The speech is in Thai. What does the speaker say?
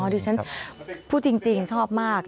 ดิฉันพูดจริงชอบมาก